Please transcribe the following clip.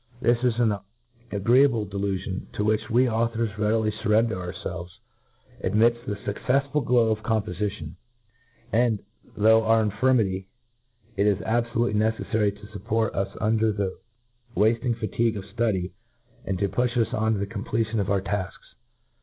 ♦This is an agreeable delufion^ to which we authors readily furrender ourfelves, ainidft the fuccefsful glow of compofition ; and, though our infirmity, it is abfolutely neceflary to fupport us uridct the wafting fatigue of ftudy, tod to pu£fi us on to the completion of our talks.